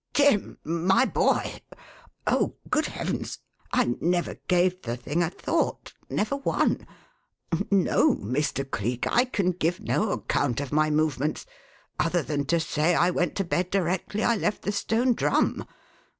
"Jim! My boy! Oh, good heavens! I never gave the thing a thought never one! No, Mr. Cleek, I can give no account of my movements other than to say that I went to bed directly I left the Stone Drum.